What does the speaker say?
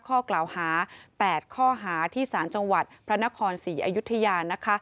ข้อกล่าวหา๘ข้อหาที่สารจังหวัดพระนครศรีอยุธยานะคะ